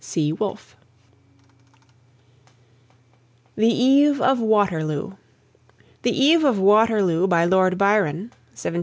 C. WOLFE. THE EVE OF WATERLOO. "The Eve of Waterloo," by Lord Byron (1788 1824).